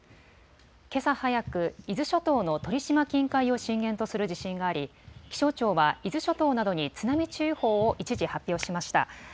けさ早く伊豆諸島の鳥島近海を震源とする地震があり気象庁は伊豆諸島などに津波注意報を一時発表しました。